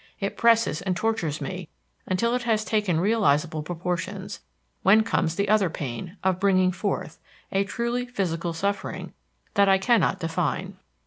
It presses and tortures me, until it has taken realizable proportions, when comes the other pain, of bringing forth, a truly physical suffering that I cannot define.